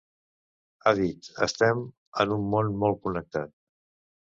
Ha dit: Estem en un món molt connectat.